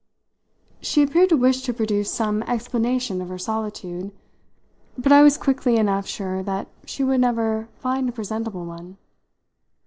She appeared to wish to produce some explanation of her solitude, but I was quickly enough sure that she would never find a presentable one.